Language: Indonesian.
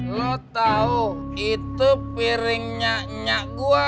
lo tahu itu piringnya nya gua